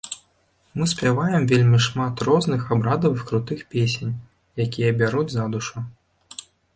Мы спяваем вельмі шмат розных абрадавых крутых песень, якія бяруць за душу.